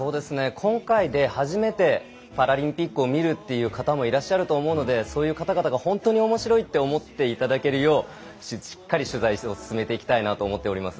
今回で初めてパラリンピックを見るという方もいらっしゃると思うのでそういう方々が本当におもしろいと思っていただけるようしっかり取材を進めていきたいなと思っております。